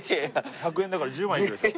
１００円だから１０枚いけるでしょ。